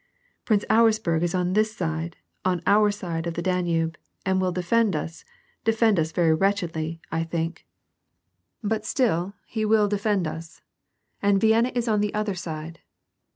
" Prince Auersperg is on this side, on our side of the Dan ube, and will defend us, defend us very wretchedly, I think. WAR AND PEACE. 185 but still, he will defend us. And Vienna is on the other side.